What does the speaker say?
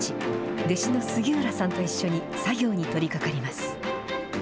弟子の杉浦さんと一緒に作業に取り掛かります。